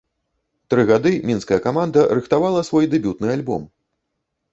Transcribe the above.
Тры гады мінская каманда рыхтавала свой дэбютны альбом.